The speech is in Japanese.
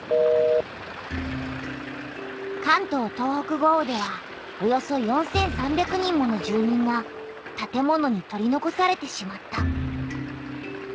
関東・東北豪雨ではおよそ４３００人もの住みんがたて物に取りのこされてしまった。